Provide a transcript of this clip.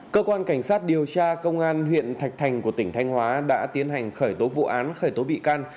cơ quan cảnh sát điều tra công an huyện thạch thành của tỉnh thanh hóa đã tiến hành khởi tố vụ án khởi tố bị can